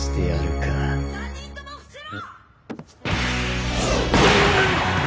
３人ともふせろ！！